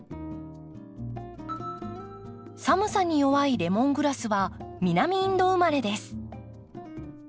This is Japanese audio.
寒さに弱いレモングラスは南インド生まれです。